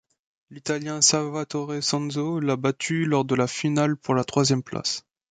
L'italien Salvatore Sanzo l’a battu lors de la finale pour la troisième place.